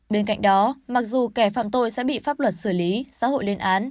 bên cạnh đó mặc dù kẻ phạm tội sẽ bị pháp luật xử lý xã hội lên án